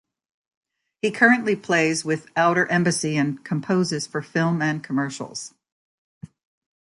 He currently plays with Outer Embassy and composes for film and commercials.